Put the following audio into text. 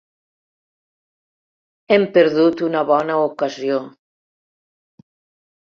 Hem perdut una bona ocasió.